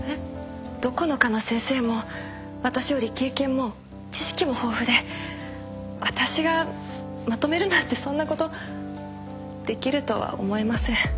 どこの科の先生も私より経験も知識も豊富で私がまとめるなんてそんなことできるとは思えません。